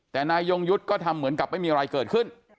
แต่นายยงยุทธ์ก็ทำเหมือนกับไม่มีอะไรเกิดขึ้น